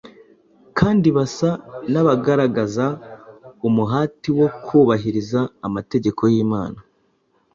kandi basa n’abagaragaza umuhati wo kubahiriza amategeko y’Imana,